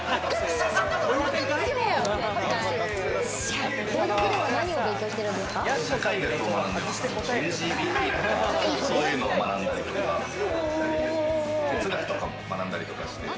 社会学を学んでます、ＬＧＢＴとか、そういうのを学んだりとか、哲学とかも学んだりとかして。